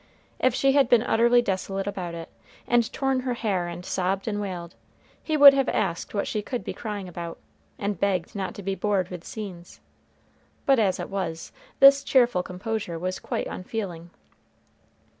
If she had been utterly desolate about it, and torn her hair and sobbed and wailed, he would have asked what she could be crying about, and begged not to be bored with scenes; but as it was, this cheerful composure was quite unfeeling.